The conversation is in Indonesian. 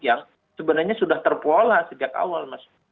yang sebenarnya sudah terpola sejak awal mas